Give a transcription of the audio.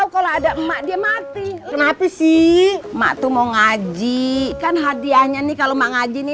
kalau ada emak dia mati kenapa sih emak tuh mau ngaji kan hadiahnya nih kalau mengajini